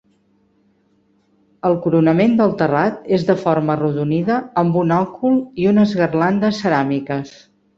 El coronament del terrat és de forma arrodonida amb un òcul i unes garlandes ceràmiques.